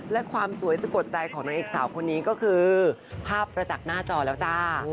และความสวยสะกดใจของนางเอกสาวคนนี้ก็คือภาพประจักษ์หน้าจอแล้วจ้า